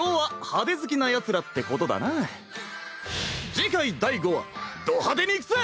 次回第五話「ド派手に行くぜ！」